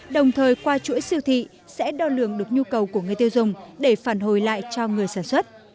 đồng thời qua chuỗi siêu thị sẽ đo lường được nhu cầu của người tiêu dùng để phản hồi lại cho người sản xuất